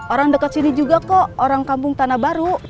orang dekat sini juga kok orang kampung tanah baru